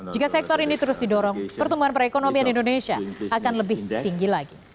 jika sektor ini terus didorong pertumbuhan perekonomian indonesia akan lebih tinggi lagi